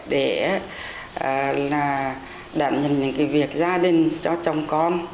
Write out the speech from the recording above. để là đảm nhận những cái việc gia đình cho chồng con